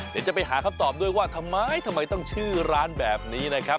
เดี๋ยวจะไปหาคำตอบด้วยว่าทำไมทำไมต้องชื่อร้านแบบนี้นะครับ